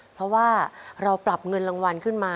เพราะว่าเราปรับเงินรางวัลขึ้นมา